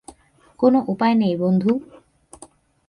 কোনো উপায় নেই, বন্ধু।